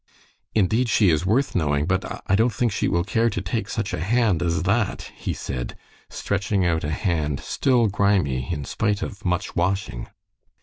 "Indeed, she is worth knowing, but I don't think she will care to take such a hand as that," he said, stretching out a hand still grimy in spite of much washing.